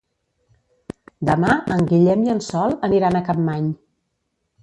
Demà en Guillem i en Sol aniran a Capmany.